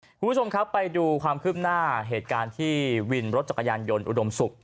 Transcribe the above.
คุณผู้ชมครับไปดูความคืบหน้าเหตุการณ์ที่วินรถจักรยานยนต์อุดมศุกร์